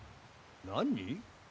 何！？